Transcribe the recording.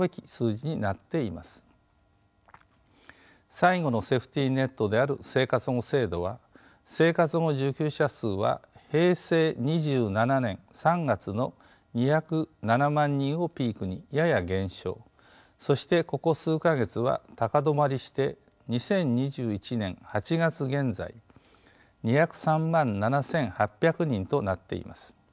最後のセーフティーネットである生活保護制度は生活保護受給者数は平成２７年３月の２０７万人をピークにやや減少そしてここ数か月は高止まりして２０２１年８月現在２０３万７，８００人となっています。